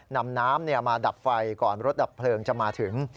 นำน้ำมาดับไฟก่อนรถดับเพลิงจะมาถึง